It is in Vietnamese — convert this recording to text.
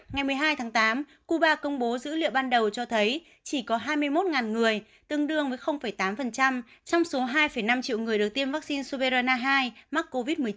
ngày một mươi hai tháng tám cuba công bố dữ liệu ban đầu cho thấy chỉ có hai mươi một người tương đương với tám trong số hai năm triệu người được tiêm vaccine suverna hai mắc covid một mươi chín